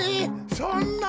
そんな。